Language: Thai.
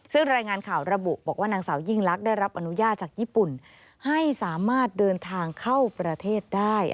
ซึ่งรายงานข่าวระบุบอกว่านางสาวยิ่งลักษณ์ได้รับอนุญาตจากญี่ปุ่นให้สามารถเดินทางเข้าประเทศได้